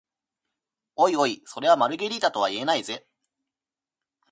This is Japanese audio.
おいおい、それはマルゲリータとは言えないぜ？